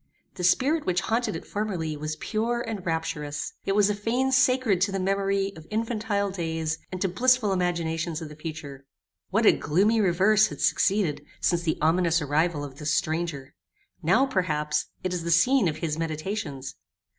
The spirit which haunted it formerly was pure and rapturous. It was a fane sacred to the memory of infantile days, and to blissful imaginations of the future! What a gloomy reverse had succeeded since the ominous arrival of this stranger! Now, perhaps, it is the scene of his meditations.